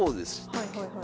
はいはいはい。